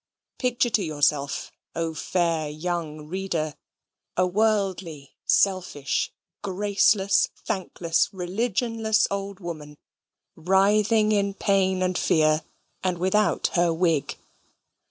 Picture to yourself, oh fair young reader, a worldly, selfish, graceless, thankless, religionless old woman, writhing in pain and fear, and without her wig.